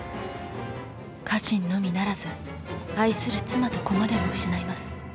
家臣のみならず愛する妻と子までも失います。